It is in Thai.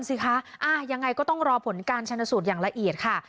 สิคะยังไงก็ต้องรอผลการชนสูตรอย่างละเอียดค่ะ